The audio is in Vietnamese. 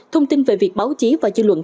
thông tin về việc báo chí và chư luận